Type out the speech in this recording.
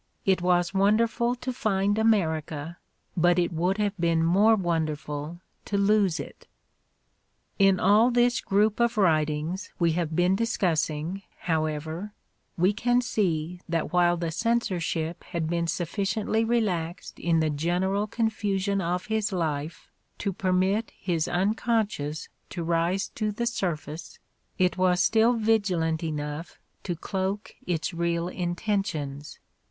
It was wonderful to find America, but it would have been more wonderftd to lose it." In all this group of writings we have been discussing, however, we can see that while the censorship had been sufficiently relaxed in the general confusion of his life to permit his un conscious to rise to the surface, it was still vigilant enough to cloak its real intentions.